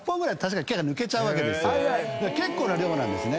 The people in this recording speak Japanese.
結構な量なんですね。